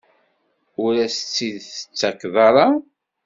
Ur as-tt-id-tettakeḍ ara?